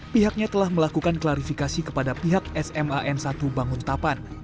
pihaknya telah melakukan klarifikasi kepada pihak sman satu banguntapan